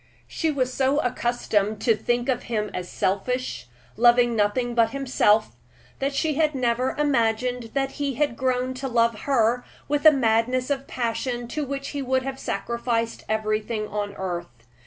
She was so accustomed to think of him as selfish, loving nothing but himself, that she never imagined that he had grown to love her with a madness of passion to which he would have sacrificed everything on earth.